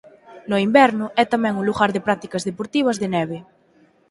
No inverno é tamén un lugar de prácticas deportivas de neve.